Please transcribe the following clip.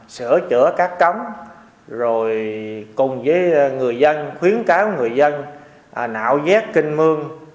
sửa chữa các cống rồi cùng với người dân khuyến cáo người dân nạo vét kinh mương